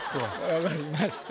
分かりました。